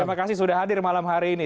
terima kasih sudah hadir malam hari ini